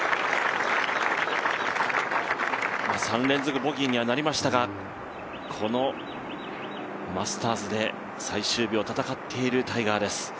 ３連続ボギーにはなりましたが、このマスターズで最終日を戦っているタイガーです。